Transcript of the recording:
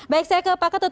baik saya ke pak ketut